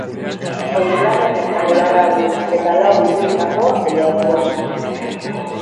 Oinplano errektangularra du eta lau isuritako teilatua.